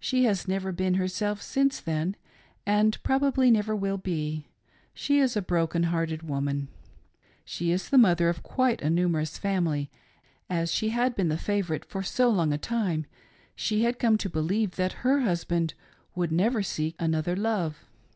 She has never been herself since then, and probably never will be — she is a broken hearted woman. She is the mother of quite a numerous family, and doubtless, as she had, been the favorite for so long a time, she had come to believe that her husband would never seek another love.